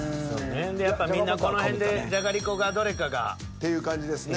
やっぱみんなこの辺でじゃがりこがどれかが。っていう感じですね。